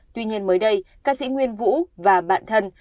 tuy nhiên mới đây ca sĩ nguyên vũ và bạn thân